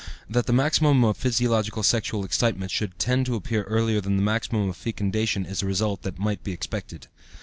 That the maximum of physiological sexual excitement should tend to appear earlier than the maximum of fecundation is a result that might be expected.